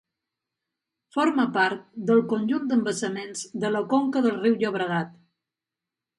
Forma part del conjunt d'embassaments de la conca del riu Llobregat.